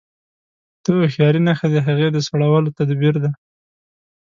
د هوښياري نښه د هغې د سړولو تدبير دی.